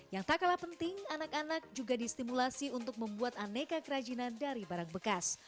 yang tak kalah penting anak anak juga distimulasi untuk membuat aneka kerajinan dari barang bekas